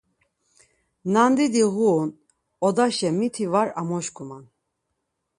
Nandidi ğurun, odaşa miti var amoşkuman.